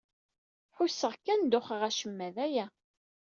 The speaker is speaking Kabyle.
Ḥusseɣ kan duxeɣ acemma. D aya.